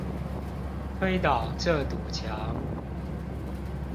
推倒這堵牆！